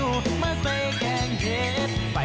เวลาออกอาการง่วงนะ